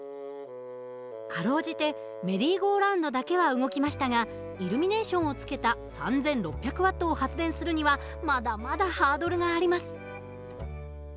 かろうじてメリーゴーラウンドだけは動きましたがイルミネーションをつけた３，６００Ｗを発電するにはまだまだハードルがあります。